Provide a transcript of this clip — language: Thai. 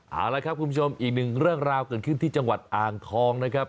เอาละครับคุณผู้ชมอีกหนึ่งเรื่องราวเกิดขึ้นที่จังหวัดอ่างทองนะครับ